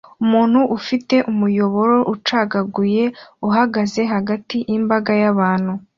Umuntu ufite umuyoboro ucagaguye uhagaze hagati yimbaga yabantu